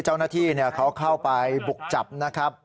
เจ้าหน้าที่เขาเข้าไปบุกจับนะครับ